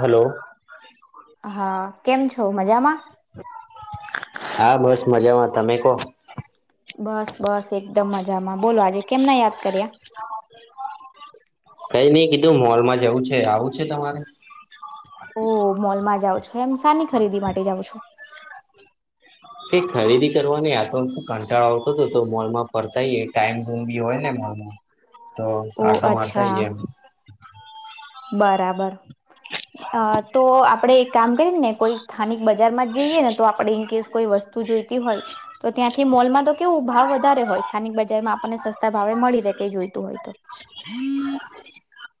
Hello હા કેમ છો મજામાં હા બસ મજામાં તમે કહો બસ બસ એકદમ મજામાં બોલો આજે કેમ ના યાદ કર્યા. કઈ નઈ કીધું મોલમાં જવું છે આવું છે તમારે. ઓ મોલમાં જાઓ છો એમ સાાની ખરીદી માટે જાઉં છો. કઈ ખરીદી કરવાની આ તો શું કંટાળો આવતો હતો તો મોલ માં ફરતાય આઇ યે ટાઈમ ઝોન બી હોય ને. તો ઓહ આટો મારતા અચ્છા આઈએ. બરાબર. હ. અ તો આપડે એક કામ કરી ને કોઈ સ્થાનિક બજારમાં જઈએ ને તો આપડે ઇન કેસ કોઈ વસ્તુ. જોઈતી હોય તો ત્યાંથી મોલમાં તો કેવું ભાવ વધારે હોય સ્થાનિક બજારમાં. આપને સસ્તા ભાવે મળી રે કઈ જોઈતું હોય તો.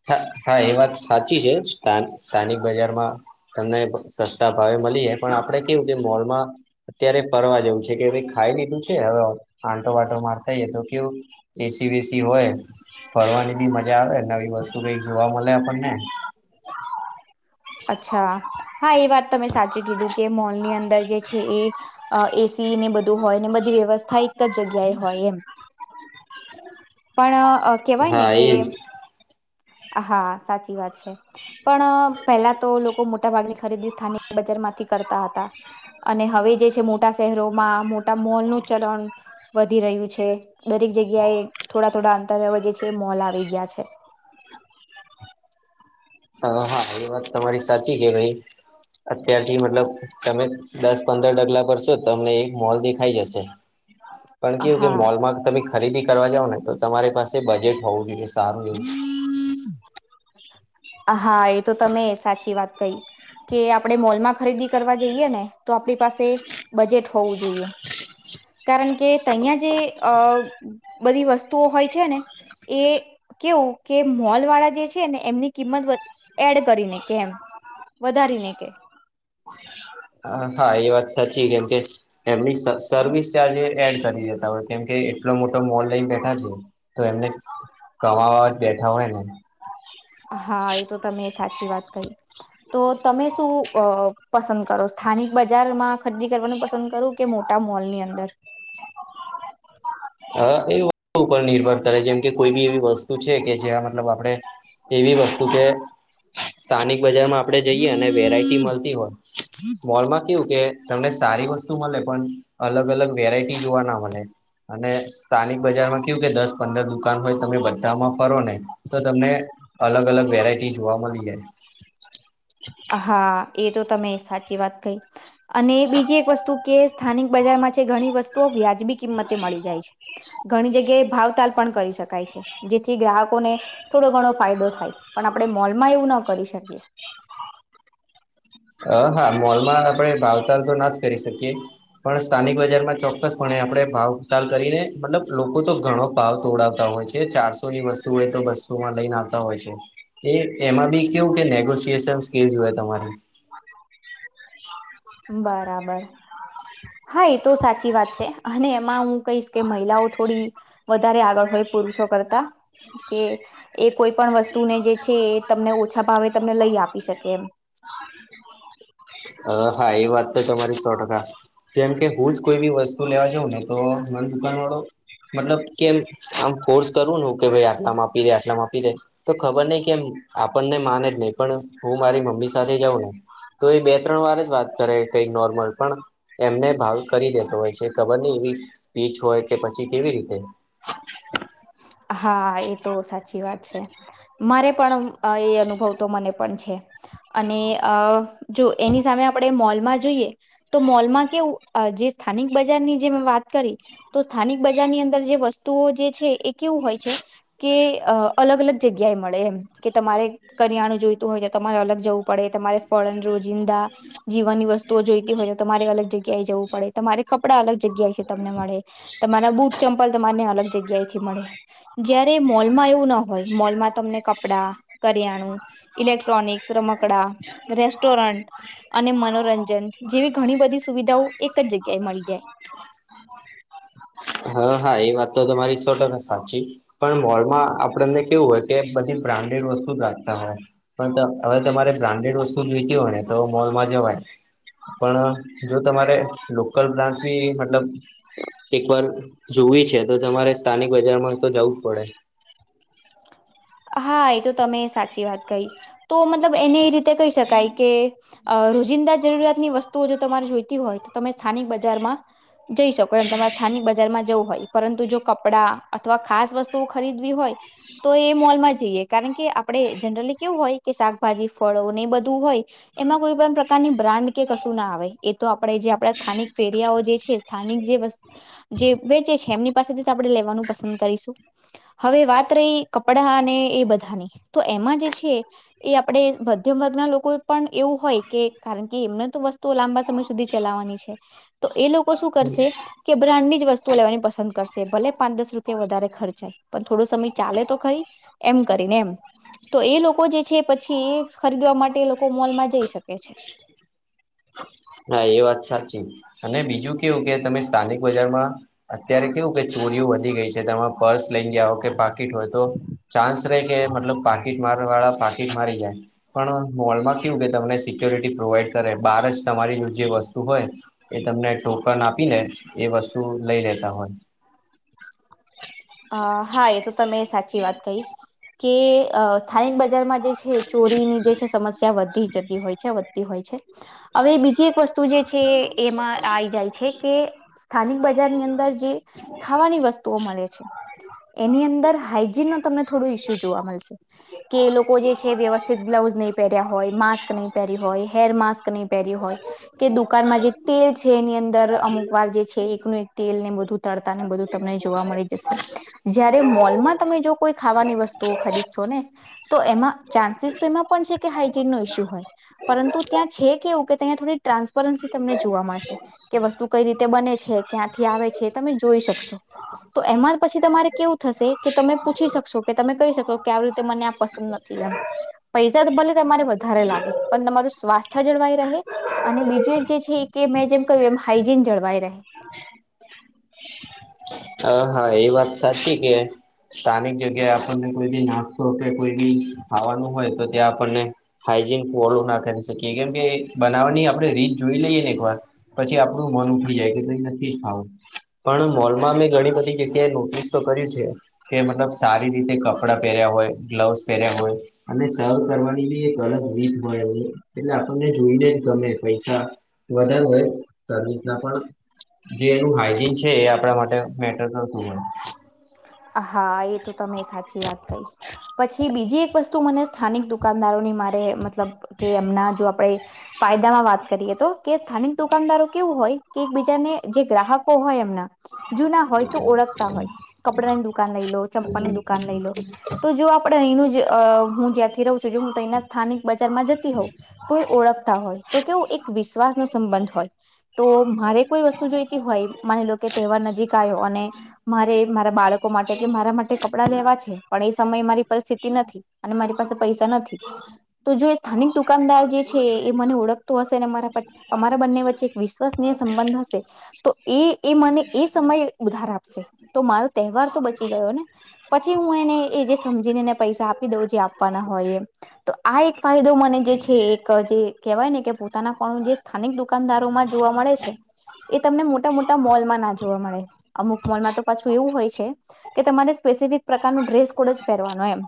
હા હા એ વાત સાચી છે સ્થાન સ્થાનિક બજારમાં. તમને સસ્તા ભાવે મળી જાય પણ આપડે કેવું કે મોલમાં અત્યારે ફરવા જેવું છે કે ભાઈ ખાઈ લીધું છે હવે આંટો વાંટો મારતાઈ તો કેવુ એસી બેસી હોય ફરવાની બી મજા આવે નવી વસ્તુ કઈક જોવા મળે આપણને અચ્છા હા એ વાત તમે સાચું કીધું કે મોલ ની અંદર જે છે એ અ એસી ને બધું હોય ને બધી વ્યવસ્થા એક જ જગ્યાએ હોય એમ પણ કેહેવાય ને હા કે એજ હા સાચી વાત છે પણ પહેલા તો લોકો મોટા ભાગની ખરીદી સ્થાનિક બજાર માંથી કરતા હતા. અને હવે જે છે મોટા શહેરોમાં મોટા મોલ નું ચલણ વધી રહ્યું છે દરેક જગ્યાએ થોડા થોડા અંતર એ જે છે મોલ આવી ગયા છે. હા હા એ વાત તમારી સાચી છે કૈવાય અત્યારથી મતલબ તમે દસ પંદર ડગલા પરશો તમને એક મોલ દેખાઈ જશે. હ [unintelligible] પણ કેવું કે હા મોલમાં તમે ખરીદી કરવા જાવ ને તો તમારી પાસે બજેટ હોવું જોઈએ સારું એવું હા એ તો તમે સાચી વાત કહી કે આપણે મોલમાં ખરીદી કરવા જઈએ ને તો આપણી પાસે બજેટ હોવું જોઈએ કારણ કે તહીયા જે અ બધી વસ્તુઓ હોય છે ને એ કેવું કે મોલ વાળા જે છે ને એમની કિંમત વધ એડ કરીને કે એમ વધારીને કે હા એ વાત સાચી કે કેમ કે એમની સર્વિસ ચાર્જ એડ કરી દેતા હોય કેમ કે એટલો મોટો મોલ લઈ બેઠા છે તો એમને કમાવા જ બેઠા હોય ને હા એ તો તમે સાચી વાત કહી. તો તમે શું અ પસંદ કરો સ્થાનિક બજારમાં ખરીદી કરવાનું પસંદ કરો કે મોટ ટા મોલની અંદર હ એ ઉપર નિર્ભર કરે જેમ કે કોઈ બી એવી વસ્તુ છે કે જ્યાં મતલબ આપડણે એવી વસ્તુ કે સ્થાનિક બજારમાં આપડે જઈએ અને વેરાયટી મળતી હોય મોલમાં કેવું કે તમને સારી વસ્તુ મળે પણ અલગ અલગ વેરાઈટી જોવા ના મલે અને સ્થાનિક બજારમાં કેવું કે દસ પંદર દુકાન હોય તમે બધામાં ફરો ને તો તમને અલગ અલગ વેરાયટી જોવા મળી જાય હા એ તો તમે સાચી વાત કહી અને બીજી એક વસ્તુ કે સ્થાનિક બજારમાં છે ઘણી વસ્તુઓ વ્યાજ આજ બી કિંમતે મળી જાય છે ઘણી જગ્યાએ ભાવતાલ પણ કરી શકાય છે જેથી ગ્રાહકોને થોડો ઘણો ફાયદો થાય પણ આપણે મોલમાં એવું ના કરી શકીએ. જાય હા મોલમાં આપણે ભાવતાલ તો ના જ કરી શકીએ. પણ સ્થાનિક બજારમાં ચોક્કસપણે આપણે ભાવતાલ કરીને મતલબ લોકો તો ઘણો ભાવ તોડાવતા હોય છે. જે ચારસો ની વસ્તુ હોય તો બસો માં લઈને આવતા હોય છે. એ એમાં બી કેવું કે નેગોસિયશન સ્કીલ જોય તમારી [unintelligible] બરાબર. હા એ તો સાચી વાત છે અને એમાં હું કહીશ કે મહિલાઓ થોડી વધારે આગળ હોય પુરુષો કરતા કે એ કોઈ પણ વસ્તુને જે છે એ તમને ઓછા ભાવે તમને લઈ આપી શકે એમ [inaudible] હ હા એ વાત તો તમારી સો ટકા જેમ કે હું જ કોઈ બી વસ્તુ લેવા જાઉં ને તો મારી દુકાન વાળો મતલબ કે આમ ફોર્સ કરવું ને કે ભાઈ આટલા મા આપી દે આટલા મા આપી દે તો ખબર નહિ કેમ આપણને માન જ નહી પણ હું મારી મમ્મી સાથે જાઉં ને તો એ બે ત્રણ વાર જ વાત કરે કઈ નોર્મલ પણ એમને ભાવ કરી દેતો હોય છે ખબર નહીં એવી સ્પીચ હોય કે પછી કેવી રીતે [inaudible] હા એ તો સાચી વાત છે મારે પણ અ એ અનુભવ તો મને પણ છે. અને અ જો એની સામે આપણે મોલમાં જઈએ તો મોલમાં કેવું જે સ્થાનિક બજારની જે મે વાત કરી તો સ્થાનિક બજારની અંદર જે વસ્તુઓ જે છે એ કેવું હોય છે કે અ અલગ અલગ જગ્યાએ મળે એમ કે તમારે કરિયાણું જોઈતું હોય તો તમારે અલગ જવું પડે તમારે ફળનુ રોજિંદા જીવનની વસ્તુઓ જોઈતી હોય તો તમારે અલગ જગ્યાએ જવું પડે તમારે કપડાં અલગ જગ્યાથી તમને મળે તમારા બુટ ચંપલ તમાને અલગ જગ્યાએ મળે જયારે મોલમાં એવું ના હોય મોલમાં તમને કપડા કરિયાણું ઇલેક્ટ્રોનિક્સ રમકડા રેસ્ટોરન્ટ અને મનોરંજન જેવી ઘણી બધી સુવિધાઓ એક જ જગ્યાએ મળી જાય. [unintelligible] હા હા એ વાત તો તમારી સો ટકા સાચી પણ મોલમાં આપણને કેવું હોય કે બધી બ્રાન્ડેડ વસ્તુ જ રાખતા હોય પણ હવે તમારે બ્રાન્ડેડ વસ્તુ જ વેચી હોય ને તો મોલમાં જવાય પણ જો તમારે લોકલ બ્રાન્ચ બી મતલબ એકવાર જોવી છે તો તમારે સ્થાનિક બજારમાં તો જવું જ પડે હા એ તો તમે સાચી વાત કહી તો મતલબ એને એ રીતે કહી શકાય કે અ રોજિંદા જરૂરિયાતની વસ્તુઓ જો તમારે જોઈતી હોય તો તમે સ્થાનિક બજારમાં જઈ શકો એમ તમારે સ્થાનિક બજારમાં જવું હોય પરંતુ જો કપડા અથવા ખાસ વસ્તુઓ ખરીદવી હોય તો એ મોલમાં જઈએ કારણ કે આપડણે જનરલી કેવું હોય કે શાકભાજી ફળો ને એ બધું હોય એમાં કોઈ પણ પ્રકારની બ્રાન્ડ કે કશું ના આવે એ તો આપે જે આપડા સ્થાનિક ફેરિયાઓ જે છે. સ્થાનિક જે વસ્ત જે વેચે છે એમની પાસેથી આપણે લેવાનું પસંદ કરીશું હવે વાત રહી કપડા અને એ બધાની તો એમાં જે છે એ આપણે મધ્યમ વર્ગના લોકોએ પણ એવું હોય કે કારણ કે એમને તો વસ્તુ લાંબા સમય સુધી ચલાવાની છે. તો એ લોકો શું કરશે કે બ્રાન્ડ ની જ વસ્તુઓ લેવાની પસંદ કરશે ભલે પાંચ દસ રૂપિયા વધારે ખર્ચાય પણ થોડો સમય ચાલે તો ખરી એમ કરીને એમ તો એ લોકો જે છે પછી એ ખરીદવા માટે એ લોકો મોલમાં જઈ શકે છે. હા એ વાત સાચી અને બીજું કેવું કે તમે સ્થાનિક બજારમાં અત્યારે કેવું કે ચોરીઓ વધી ગઈ છે તમે પર્સ લઈ ગયા હોવ કે પાકી પાટ હોય તો ચાન્સ રહેે કે મતલબ પાકીટ મારવા વાળા પાકીટ મારી જાય પણ મોલમાં કયુ કે તમને સિક્ય્યોરિટી પ્રોવાઈડ કરે બાર જ તમારી જે વસ્તુ હોય એ તમને ટોકન આપી ને એ વસ્તુ લઈ લેતા હોય. અ હા એ તો તમે સાચી વાત કહી. કે અ સ્થાનિક બજારમાં જે છે એ ચોરીની જે છે સમસ્યા વધી જતી હોય છે વધતી હોય છે. અવે બીજી એક વસ્તુ જે છે એમાં આઈ જાય છે કે સ્થાનિક બજારની અંદર જે ખાવાની વસ્તુઓ મલે છે. એની અંદર હાઈજીનનો તમને થોડો ઈસ્યુ જોવા મલશે. કે એ લોકો જે છે વ્યવસ્થિત ગ્લઉઝ નહીં પહેર્યા હોય, માસ્ક નહીં પહેર્યું હોય, હેર માસ્ક નહીં પહેર્યું હોય. કે દુકાનમાં જે તેલ છે એની અંદર અમુકવાર જે છે એકનું એક તેલને બધું તળતાને બધું તમને જોવા મળી જશે જયારે મોલમાં તમે જો કોઈ ખાવાની વસ્તુઓ ખરીદશોને તો એમાં ચાન્સીસ તો એમાં પણ છે કે હાઈજીનનો ઈસ્યુ હોય. પરંતુ ત્યાં છે કેવું કે ત્યાં થોડી ટ્રાન્સપરન્સી તમને જોવા મળશે. તે વસ્તુ કઈ રીતે બને છે? ક્યાંથી આવે છે? એ તમે જોઈ શકશો તો એમાં- પછી તમારે કેવું થશે કે તમે પૂછી શકશો કે તમે કહી શકશો કે આવી રીતે મને આ પસંદ નથી એમ. પૈસા તો ભલે તમારે વધારે લાગે પણ તમારું સ્વાસ્થ્ય જળવાય રહે. અને બીજું એક જે છે કે મેં જેમ કહ્યું એમ હાઈજીન જળવાઈ રહે. હા હા એ વાત સાચી કે સ્થાનિક જગ્યાએ આપણને કોઈ બી નાસ્તો કે કોઈ બી ખાવાનું હોય તો ત્યાં આપણને હાઈજીન ફોલો ના કરી શકીએ કેમ કે બનાવવાની આપણે રીત જોઈ લઈએને એકવાર પછી આપણું મન ઉઠી જાય કે ‌ભ‌ઈ નથી ખાવું પણ મોલમાં મેં ધણી બધી જગ્યાએ નોટિસ તો કર્યું છે. કે મતલબ સારી રીતે કપડાં પહેર્યાં હોય, ગ્લવ્સ પહેર્યાં હોય. અને સર્વ કરવાની બી એક અલગ રીત હોય એમની એટલે આપણને જોઈને જ ગમે પૈસા વધારે હોય સર્વિસના પણ જે એનું હાઈજીન છે એ આપણા માટે મેટર કરતું હોય. હા એ તો તમે સાચી વાત કહી. પછી બીજી એક વસ્તુ મને સ્થાનિક દુકાનદારોની મારે મતલબ કે એમના જો આપણે ફાયદામાં વાત કરીએ તો કે સ્થાનિક દુકાનદારો કેવું હોય કે એક બી જાને જે ગ્રાહકો હોય એમનાં જૂના હોય તો ઓળખતા હોય કપડાની દુ કાન લઈલો, ચંપલની દુકાન લઈલો તો જે આ પણ અહીનું જ હું જ્યાંથી રહું છું જો હું તો તહીના સ્થાનિક બજારમાં જતી હોઉં તો એ ઓળખતા હોય તો કેવું એક વિશ્વાસનો સંબંધ હોય. તો મારે કોઈ વસ્તુ જોઈતી હોય માની લો કે તહેવાર નજીક આયો અને મારે મારાં બાળકો માટે કે મારાં માટે કપડાં લેવા છે પણ એ સમયે મારી પરિસ્થિતિ નથી. અને મારી પાસે પૈસા નથી. તો જો એ સ્થાનિક દુકાનદાર જે છે એ મને ઓળખતો હશે એને મારા પર અમારા બંને વચ્ચે એક વિશ્વસનીય સંબંધ હશે. તો એ એ મને એ સમય ઉધાર આપશે તો મારો તહેવાર તો બચી ગયો ને? પછી હું એને એ જે સમજીને એને મેં પૈસા આપી દઉં જે આપવાના હોય એ. તો આ એક ફાયદો મને જે છે એક જે કહેવાય ને કે પોતાનાપણું જે સ્થા નિક દુકાનદારોમાં જોવા મળે છે. એ તમને મોટાં-મોટાં મોલમાં ના જોવા મળે અમુક મોલમાં તો પાછું એવું હોય છે કે તમારે સ્પેસિફિક પ્રકારનો ડ્રેસ કોડ જ પહેરવાનો એમ.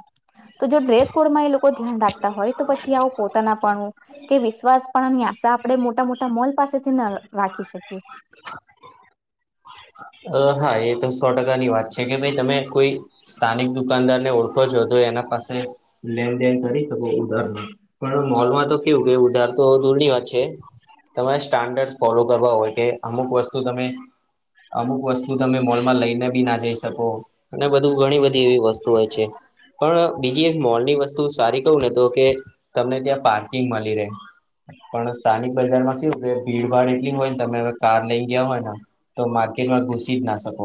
તો જો ડ્રેસ કોડમાં એ લોકો ધ્યાન રાખતાં હોય તો પછી આવું પોતાનાપણું કે વિશ્વાસપણાની આશા આપણેે મોટાં-મોટાં મોલ પાસેથી ન રાખી શકીએ. અ હા એ તો સો ટકાની વાત છે કે ભઈ તમે કોઈ સ્થાનિક દુકાનદારને ઓળખો છો તો એના પાસે લેણદેણ કરી શકો ઉધારમાં પણ મોલમાં તો કેવું કે ઉધાર તો દૂરની વાત છે. તમારે સ્ટાન્ડર્ડ્સ ફોલો કરવા હોય કે અમુક વસ્તુ તમે અમુક વસ્તુ તમે મોલમાં લઈને બી ના જઈ શકો અને બધું ઘણી બધી એવી વસ્તુ હોય છે. પણ બીજી એક મોલની વસ્તુ સારી ક‌ઉને તો કે તમને ત્યાં પાર્કિંગ મલી રહે. પણ સ્થાનિક બજારમાં કેવું કે ભીડભાડ એટલી હોયને તમે હવે કાર લઈ ગીયા હોય ને તમે માર્કેટમાં ઘુસી જ ના શકો.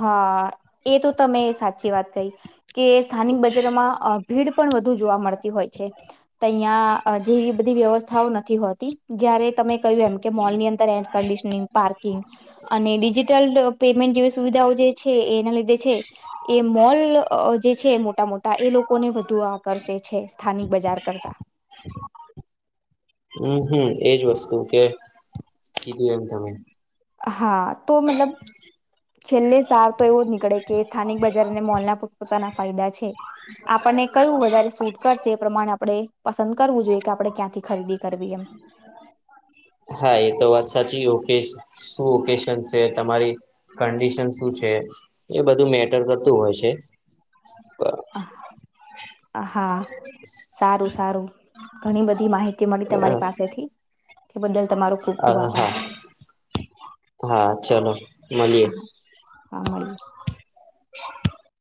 હા. એ તો તમે સાચી વાત કહી. કે સ્થાનિક બજારોમાં ભીડ પણ વધુ જોવા મળતી હોય છે અહિંયા જેવી બધી વ્યવસ્થાઓ નથી હોતી જયારે તમે કહ્યું એમ કે મોલની અંદર કંડીશનિંગ, પાર્કિંગ અને ડિજિટલ પેમેન્ટ જેવી સુવિધાઓ જે છે એના લીધે છે એ મોલ જે છે મોટા મોટા એ લોકોને વધુ આકર્ષે છે. સ્થાનિક બજાર કરતાં હમ્મ હમ્મ એજ વસ્તુ કે કીધું એમ તમે હા તો મતલબ છેલ્લે સાર તો એવું જ નીકળે કે સ્થાનિક બજાર અને મોલના પોતપોતાના ફાયદા છે. આપણને કયું વધારે સૂટ કરશે એ પ્રમાણે આપણે પસંદ કરવું જોઈએ કે આપણે ક્યાંથી ખરીદી કરવી એમ હા એ તો વાત સાચી ઓકે શું ઓકેશન છે તમારી કન્ડિશન શું છે એ બધું મેટર કરતું હોય છે [inaudible] હા સારું સારું ઘણી બધી માહિતી મળી તમારી પાસેથી તે બદલ તમારો ખુબ ખુબ હા હા આભાર હા ચલો મળએ હા હા મળરી [unintelligible] [inaudible]